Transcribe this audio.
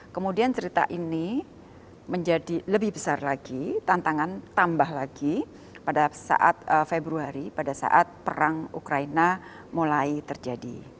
kemudian cerita ini menjadi lebih besar lagi tantangan tambah lagi pada saat februari pada saat perang ukraina mulai terjadi